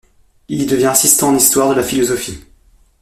Il y devient assistant en histoire de la philosophie.